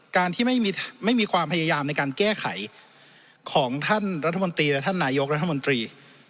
การที่ไม่มีความพยายามในการแก้ไขของท่านรัฐมนตรีและท่านนายกรัฐมนตรี